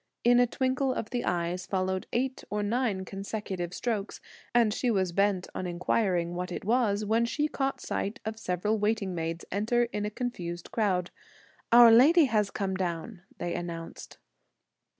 In a twinkle of the eyes followed eight or nine consecutive strokes; and she was bent upon inquiring what it was, when she caught sight of several waiting maids enter in a confused crowd. "Our lady has come down!" they announced.